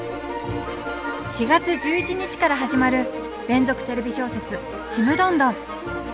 ４月１１日から始まる連続テレビ小説「ちむどんどん」。